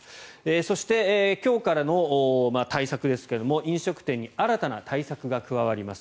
そして、今日からの対策ですが飲食店に新たな対策が加わります。